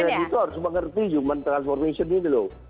brand itu harus mengerti human transformation ini loh